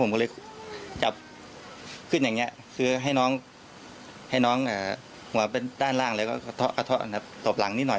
ผมก็เลยจับขึ้นอย่างนี้คือให้น้องหัวเป็นด้านล่างแล้วก็ตอบหลังนิดหน่อย